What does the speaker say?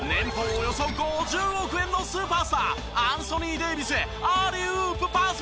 およそ５０億円のスーパースターアンソニー・デイビスアリウープパス！